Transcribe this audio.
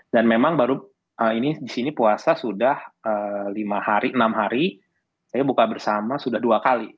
dan memang baru ini di sini puasa sudah lima hari enam hari saya buka bersama sudah dua kali